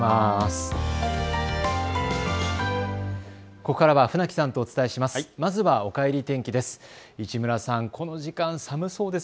ここからは船木さんとお伝えします。